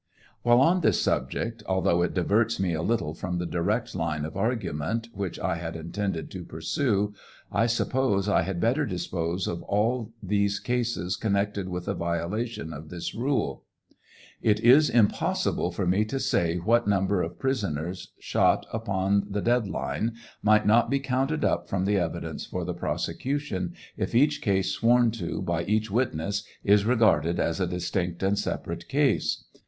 While on this subject, although it diverts me a little from the direct line of argument which I had intended to pursue, I suppose I had better dispose of all these cases connected with a violation of this rule. It is impossible for me to say what number of prisoners shot upon the dead line might not be counted up from the evidence for the prosecution, if each case sworn to by each witness is regarded as a distinct and separate case.